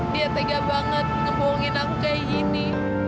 dia tega banget ngebohongin aku kayak gini